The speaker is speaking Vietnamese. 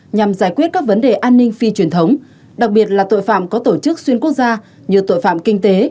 nhằm giải quyết các vấn đề an ninh phi truyền thống đặc biệt là tội phạm có tổ chức xuyên quốc gia như tội phạm kinh tế